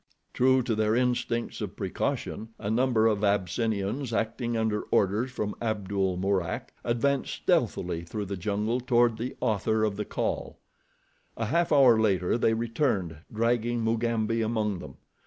True to their instincts of precaution, a number of Abyssinians, acting under orders from Abdul Mourak, advanced stealthily through the jungle toward the author of the call. A half hour later they returned, dragging Mugambi among them.